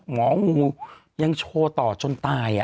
หมองูยังโชว์ต่อจนตาย